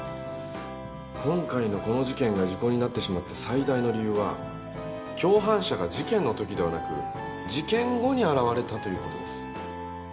今回のこの事件が時効になってしまった最大の理由は共犯者が事件の時ではなく事件後に現れたという事です。